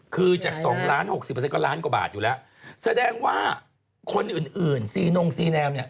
คือจากสองล้านหกสิบล้านกว่าบาทอยู่แล้วแสดงว่าคนอื่นอื่นซีนงซีแนมเนี่ย